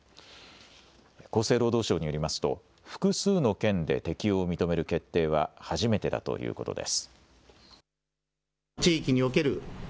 厚生労働省によりますと複数の県で適用を認める決定は初めてだということです。